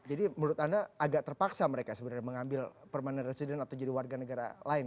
jadi menurut anda agak terpaksa mereka sebenarnya mengambil permanent resident atau jadi warga negara lain